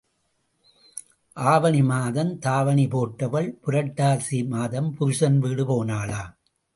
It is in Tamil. ஆவணி மாதம் தாவணி போட்டவள் புரட்டாசி மாதம் புருஷன் வீடு போனாளாம்.